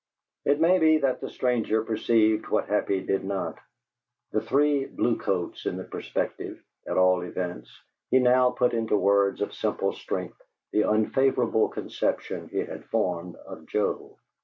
It may be that the stranger perceived what Happy did not; the three bluecoats in the perspective; at all events, he now put into words of simple strength the unfavorable conception he had formed of Joe.